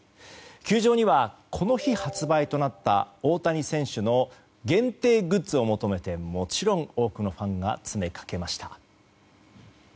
球場には、この日発売となった大谷選手の限定グッズを求めてもちろん、多くのファンが詰めかけました。